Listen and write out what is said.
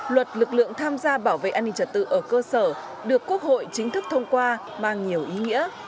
luật lực lượng tham gia bảo vệ an ninh trật tự ở cơ sở được quốc hội chính thức thông qua mang nhiều ý nghĩa